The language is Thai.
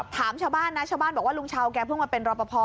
ถามชาวบ้านนะชาวบ้านบอกว่าลุงชาวแกเพิ่งมาเป็นรอปภ